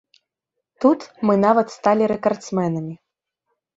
Тут мы нават сталі рэкардсменамі.